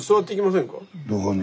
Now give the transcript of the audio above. どこに？